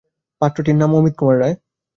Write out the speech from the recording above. পাত্রটির নাম অমিতকুমার রায়।